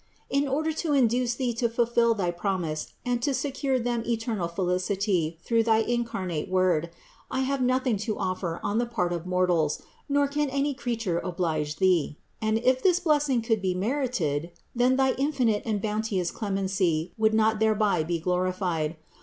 In order to induce Thee to fulfill thy promise and to secure them eternal felicity through thy incarnate Word, I have nothing to offer on the part of mortals nor can any creature oblige Thee; and if this blessing could be merited, then thy infinite and bounteous clemency would not thereby be glorified.